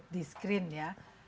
di screen ya